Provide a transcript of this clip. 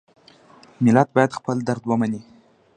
ملت باید خپل درد ومني.